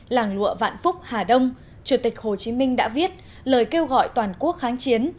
làng lụa vạn phúc hà đông chủ tịch hồ chí minh đã viết lời kêu gọi toàn quốc kháng chiến